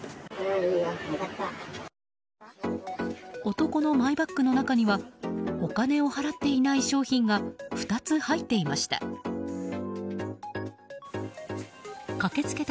男のマイバッグの中にはお金を払っていない商品が２つ入っていました。